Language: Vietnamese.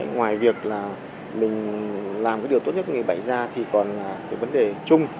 ngoài việc là mình làm cái điều tốt nhất người bệnh ra thì còn là cái vấn đề chung